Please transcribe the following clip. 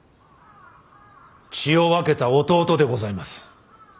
血を分けた弟でございます。